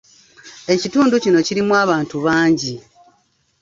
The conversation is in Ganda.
Ekitundu kino kirimu abantu bangi.